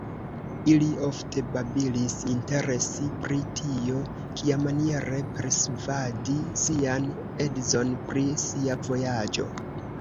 Ili ofte babilis inter si pri tio, kiamaniere persvadi sian edzon pri sia vojaĝo.